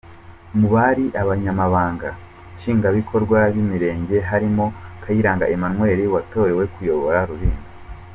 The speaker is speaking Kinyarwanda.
Mu bari Abanyamabanga Nshingwabikorwa b’Imirenge harimo Kayiranga Emmanuel watorewe kuyobora Rulindo.